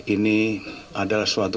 ini adalah suatu